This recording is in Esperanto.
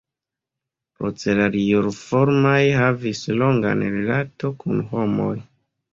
Procelarioformaj havis longan rilato kun homoj.